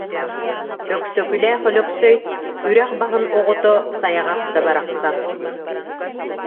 Өксөкүлээх Өлөксөй: «Үрэх баһын оҕото, сайаҕас да барахсан»